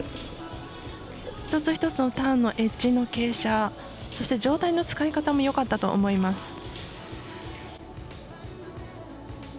一つ一つのターンのエッジの傾斜、そして上体の使い方もよかったと思います。